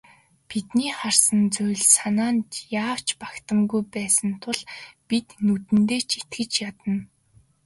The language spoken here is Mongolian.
Бидний харсан зүйл санаанд яавч багтамгүй байсан тул бид нүдэндээ ч итгэж ядна.